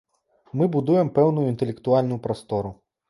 Мы будуем пэўную інтэлектуальную прастору.